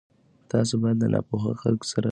تاسو باید له ناپوهه خلکو سره بحث ونه کړئ.